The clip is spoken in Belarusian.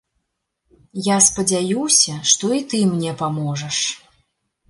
Я спадзяюся, што і ты мне паможаш.